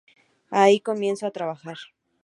Ahí comienzo a trabajar".